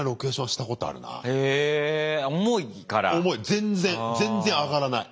全然全然上がらない。